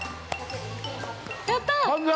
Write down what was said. ◆やった。